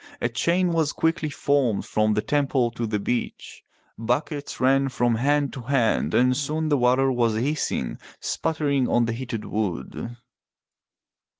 A chain was quickly formed from the temple to the beach. Buckets ran from hand to hand and soon the water was hissing, sputtering on the heated 350 FROM THE TOWER WINDOW wood.